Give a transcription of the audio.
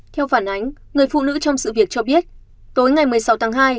theo phản ánh người phụ nữ trong sự việc cho biết tối ngày một mươi sáu tháng hai